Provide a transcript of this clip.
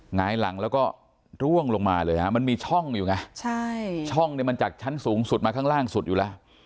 หงายหลังแล้วก็ร่วงลงมาเลยฮะมันมีช่องอยู่ไงใช่ช่องเนี่ยมันจากชั้นสูงสุดมาข้างล่างสุดอยู่แล้ว